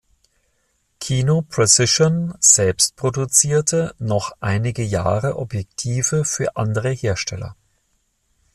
Kino Precision selbst produzierte noch einige Jahre Objektive für andere Hersteller.